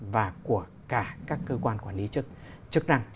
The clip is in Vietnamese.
và của cả các cơ quan quản lý chức năng